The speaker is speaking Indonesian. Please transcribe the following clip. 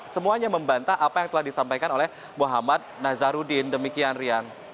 semuanya membantah apa yang telah disampaikan oleh muhammad nazarudin demikian rian